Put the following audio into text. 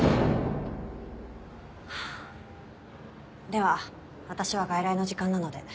では私は外来の時間なので。